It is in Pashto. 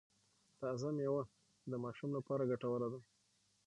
تازه میوه د ماشوم لپاره ګټوره ده۔